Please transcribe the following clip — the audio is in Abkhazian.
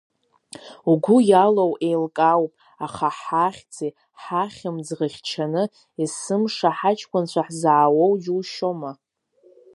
Угәы иалоу еилкаауп, аха, ҳахьӡи ҳахьымӡӷи хьчаны, есымша ҳаҷкәынцәа ҳзаауоу џьушьома.